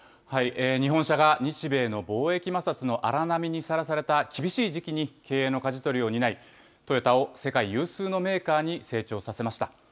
日本車が日米の貿易摩擦の荒波にさらされた厳しい時期に経営のかじ取りを担い、トヨタを世界有数のメーカーに成長させました。